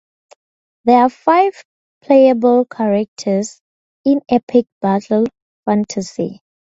There are five playable characters in Epic Battle Fantasy.